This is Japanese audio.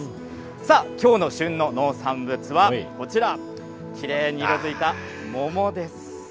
さあ、きょうの旬の農産物はこちら、きれいに色づいた桃です。